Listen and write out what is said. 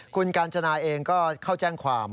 คุณกาญจนาเองก็เข้าแจ้งความ